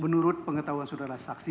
menurut pengetahuan sudara saksi